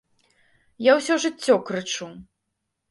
Я ўсё жыццё крычу.